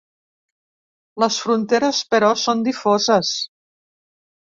Les fronteres, però, són difoses.